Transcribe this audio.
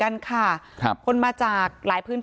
การแก้เคล็ดบางอย่างแค่นั้นเอง